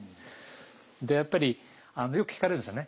でやっぱりよく聞かれるんですよね